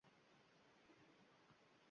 Bo'ladigan gapni ayting!